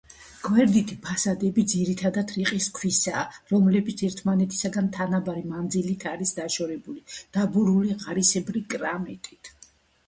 გვერდითი ფასადები ძირითადათ რიყის ქვისაა, რომლებიც ერთმანეთისგან თანაბარი მანძილით არის დაშორებული, დაბურული ღარისებრი კრამიტით.